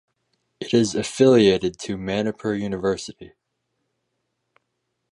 It is affiliated to Manipur University.